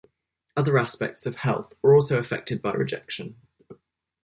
Other aspects of health are also affected by rejection.